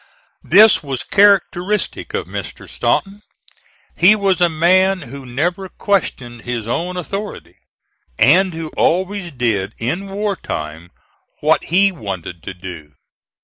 This was characteristic of Mr. Stanton. He was a man who never questioned his own authority, and who always did in war time what he wanted to do.